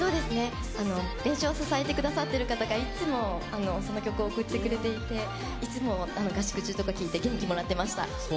練習を支えてくださっている方がいつもその曲を送ってくれていて、いつも合宿中とか聴いて元気をもらっていました。